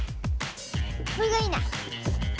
これがいいな！